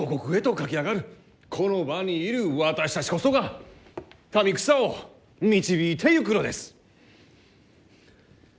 この場にいる私たちこそが民草を導いていくのです！